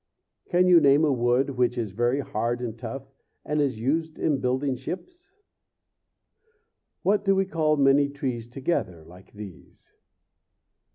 Can you name a wood which is very hard and tough, and is used in building ships? What do we call many trees together, like these?